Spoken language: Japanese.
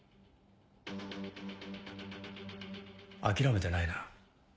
諦めてないな。